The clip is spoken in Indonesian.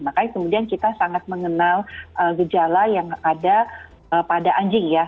makanya kemudian kita sangat mengenal gejala yang ada pada anjing ya